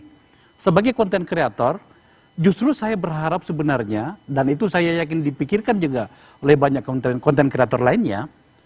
jadi sebagai content creator justru saya berharap sebenarnya dan itu saya yakin dipikirkan juga oleh banyak content creator lainnya